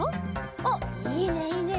おっいいねいいね！